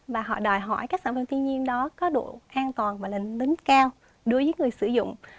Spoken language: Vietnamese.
và họ đòi hỏi các sản phẩm thiên nhiên đó có độ an toàn và lệnh đứng cao đối với người sử dụng